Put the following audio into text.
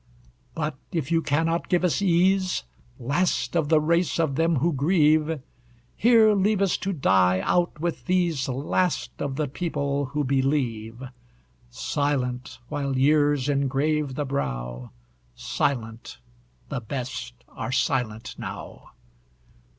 But if you cannot give us ease Last of the race of them who grieve, Here leave us to die out with these Last of the people who believe! Silent, while years engrave the brow; Silent the best are silent now.